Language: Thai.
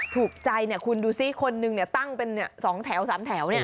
ถูกใจเนี่ยคุณดูสิคนนึงเนี่ยตั้งเป็น๒แถว๓แถวเนี่ย